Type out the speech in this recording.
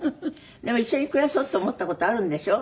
でも一緒に暮らそうと思った事あるんでしょ？